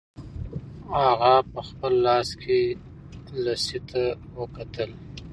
هغه په خپل لاس کې لسی ته وکتل.